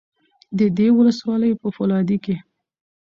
د دې ولسوالۍ په فولادي کې